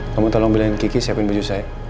kamu tolong beliin kiki siapin baju saya